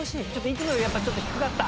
いつもよりやっぱちょっと低かった？